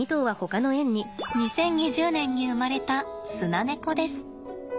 ２０２０年に生まれたスナネコです。